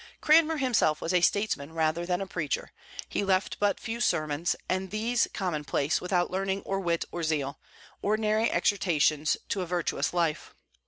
Cranmer himself was a statesman rather than a preacher. He left but few sermons, and these commonplace, without learning, or wit, or zeal, ordinary exhortations to a virtuous life.